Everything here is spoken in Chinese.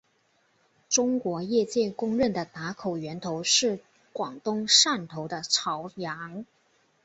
中国业界公认的打口源头是广东汕头的潮阳。